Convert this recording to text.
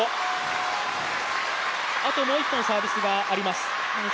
あともう１本サービスがあります。